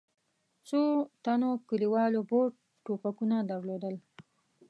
څو تنو کلیوالو بور ټوپکونه درلودل.